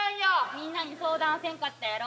みんなに相談せんかったやろ。